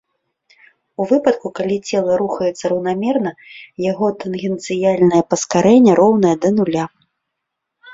У выпадку, калі цела рухаецца раўнамерна, яго тангенцыяльнае паскарэнне роўнае да нуля.